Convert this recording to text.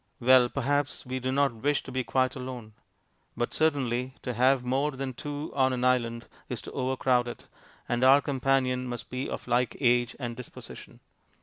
Well, perhaps we do not wish to be quite alone; but certainly to have more than two on an island is to overcrowd it, and our companion must be of a like age and disposition.